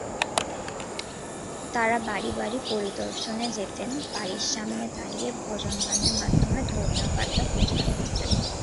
তারা বাড়ি বাড়ি পরিদর্শনে যেতেন বাড়ির সামনে দাঁড়িয়ে ভজন গানের মাধ্যমে ধর্মীয় বার্তা প্রচার করতেন।